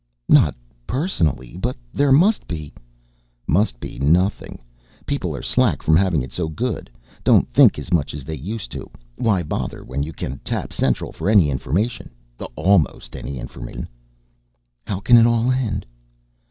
"Not personally but there must be " "Must be nothing! People are slack from having it so good, don't think as much as they used to. Why bother when you can tap Central for any information? Almost any information." "How can it all end?"